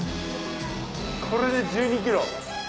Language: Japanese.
これで１２ｋｇ。